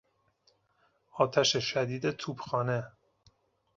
آتش شدید توپخانه